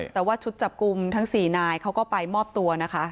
แต่ว่าชุดจับกลุ่มทั้ง๔นายเขาก็ไปมอบตัวนะคะ